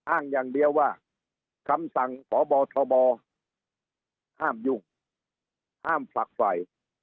อ้างอย่างเดียวว่าคำสั่งพบทบห้ามยุ่งห้ามผลักไฟ